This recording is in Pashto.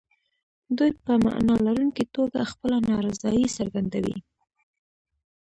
دوی په معنا لرونکي توګه خپله نارضايي څرګندوي.